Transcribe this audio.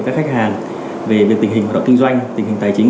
các khách hàng về việc tình hình hoạt động kinh doanh tình hình tài chính